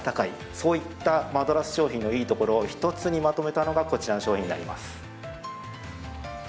そういったマドラス商品のいいところを一つにまとめたのがこちらの商品になります。